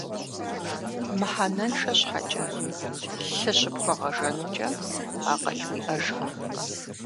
Мыхьэнэншэ щхьэкӀэ лъы щыпхуэгъэжэнукӀэ, акъыл уиӀэжкъым.